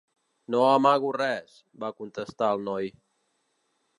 "No amago res" va contestar el noi.